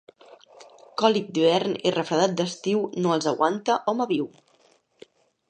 Còlic d'hivern i refredat d'estiu no els aguanta home viu.